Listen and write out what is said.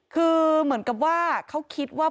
คือเหมือนกับว่าเขาคิดว่า